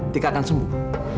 ketika akan sembuh